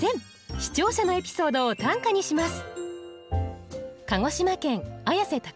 視聴者のエピソードを短歌にします。